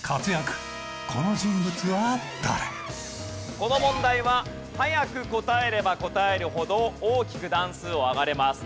この問題は早く答えれば答えるほど大きく段数を上がれます。